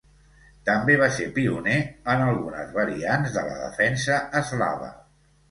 També va ser pioner en algunes variants de la defensa eslava.